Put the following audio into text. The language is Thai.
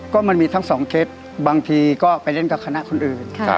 ก็มันมีทั้งสองเคสบางทีก็ไปเล่นกับคณะคนอื่น